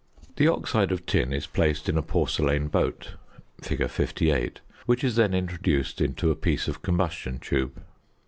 ] The oxide of tin is placed in a porcelain boat (fig. 58), which is then introduced into a piece of combustion tube.